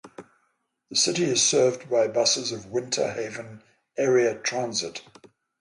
The city is served by buses of Winter Haven Area Transit.